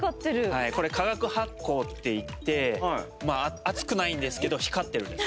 はいこれ化学発光っていって熱くないんですけど光ってるんですね。